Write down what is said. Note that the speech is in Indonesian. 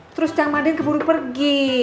terus cang madin keburu pergi